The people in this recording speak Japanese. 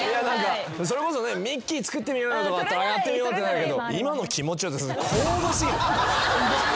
それこそミッキー作ってみようよとかだったらやってみようってなるけど今の気持ちを。